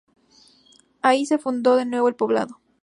Ahí se fundó de nuevo el poblado.